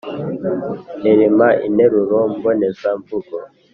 arema interuro mboneza mvugo